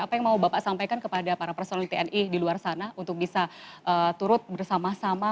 apa yang mau bapak sampaikan kepada para personil tni di luar sana untuk bisa turut bersama sama